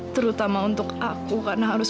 terutama untuk aku karena harus